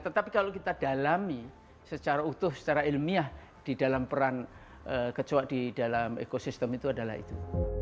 tetapi kalau kita dalami secara utuh secara ilmiah di dalam peran kecok di dalam ekosistem itu adalah itu